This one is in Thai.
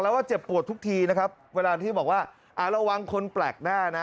แล้วว่าเจ็บปวดทุกทีนะครับเวลาที่บอกว่าอ่าระวังคนแปลกหน้านะ